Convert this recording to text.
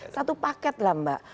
satu paket lah mbak